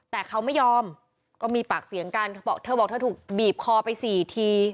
แต่เขาไม่ยอมก็มีปากเสียงกันเธอบอกเธอบอกเธอถูกบีบคอไปสี่ที